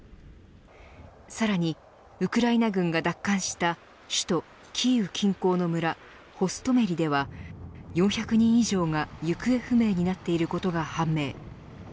さらにウクライナ軍が奪還した首都キーウ近郊の村ホストメリでは、４００人以上が行方不明になっていることが判明。